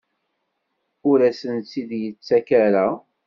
Ur asen-tt-id-yettak ara?